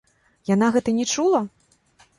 Яна гэта не чула?